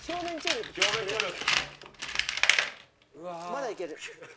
まだいける。